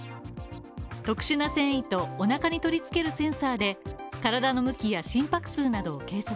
特殊な繊維とお腹に取り付けるセンサーで体の向きや心拍数などを計測。